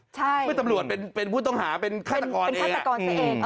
ใช่เพื่อนตำรวจเป็นเป็นพูดต้องหาเป็นเป็นคาดตะกอนเองเออ